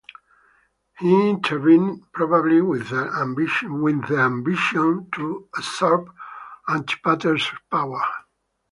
He intervened probably with the ambition to usurp Antipater's power.